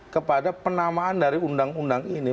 kepada penamaan dari undang undang ini